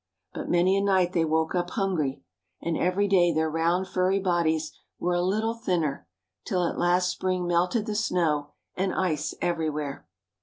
But many a night they woke up hungry. And every day their round furry bodies were a little thinner, till at last spring melted the snow and ice everywhere.